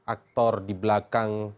aktor di belakang